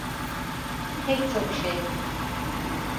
Pek çok şey.